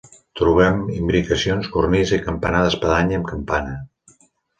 Trobem imbricacions, cornisa i campanar d'espadanya amb campana.